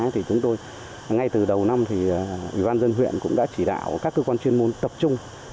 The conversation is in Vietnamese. thì chúng tôi ngay từ đầu năm thì ủy ban dân huyện cũng đã chỉ đạo các cơ quan chuyên môn tập trung